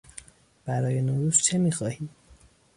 برای نوروز چه میخواهی؟